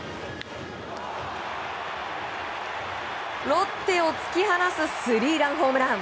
ロッテを突き放すスリーランホームラン。